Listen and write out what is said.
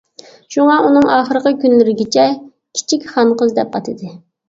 شۇڭا ئۇنىڭ ئاخىرقى كۈنلىرىگىچە كىچىك خانقىز دەپ ئاتىدى.